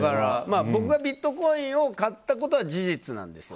僕がビットコインを買ったことは事実なんですよ。